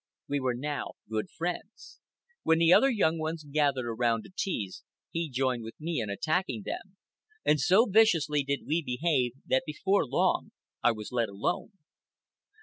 We were now good friends. When the other young ones gathered around to tease, he joined with me in attacking them; and so viciously did we behave that before long I was let alone.